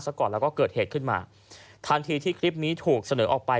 ก่อนแล้วก็เกิดเหตุขึ้นมาทันทีที่คลิปนี้ถูกเสนอออกไป